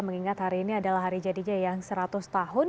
mengingat hari ini adalah hari jadinya yang seratus tahun